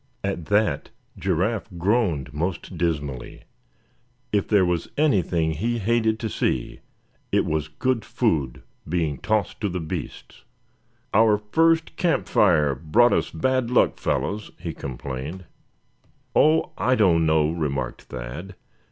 At that Giraffe groaned most dismally. If there was anything he hated to see it was good food being tossed to the beasts. "Our first camp fire brought us bad luck, fellows!" he complained. "Oh! I don't know," remarked Thad.